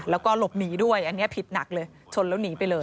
แล้วก็หลบหนีด้วยอันนี้ผิดหนักเลยชนแล้วหนีไปเลย